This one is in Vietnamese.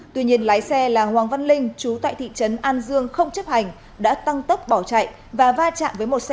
tuy nhiên lái xe là hoàng văn linh chú tại thị trấn an dương không chấp hành đã tăng tốc bỏ chạy và va chạm với một xe